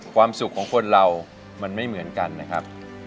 ความสุขของคนเรามันไม่เหมือนกันนะครับ